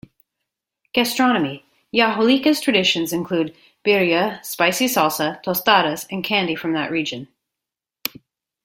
Gastronomy: Yahualica's traditions include "birria", spicy salsa, "tostadas", and candy from that region.